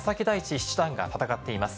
七段が戦っています。